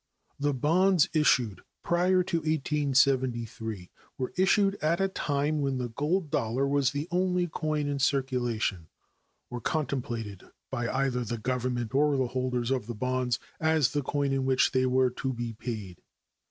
The bonds issued prior to 1873 were issued at a time when the gold dollar was the only coin in circulation or contemplated by either the Government or the holders of the bonds as the coin in which they were to be paid.